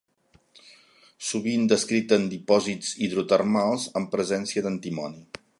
Sovint descrita en dipòsits hidrotermals amb presència d'antimoni.